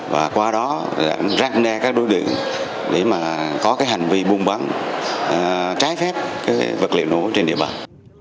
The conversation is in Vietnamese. và qua đó rác nè các đối đường để mà có cái hành vi buôn bắn trái phép cái vật liệu nổ trên địa bàn